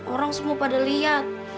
orang semua pada lihat